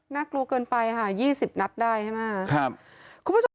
น่ากลัวเกินไปค่ะ๒๐นับได้ใช่ไหมฮะครับ